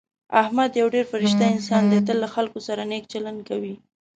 احمد یو ډېر فرشته انسان دی. تل له خلکو سره نېک چلند کوي.